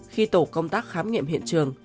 khi tổ công tác khám nghiệm hiện trường